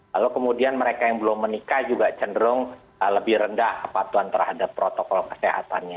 lalu kemudian mereka yang belum menikah juga cenderung lebih rendah kepatuhan terhadap protokol kesehatannya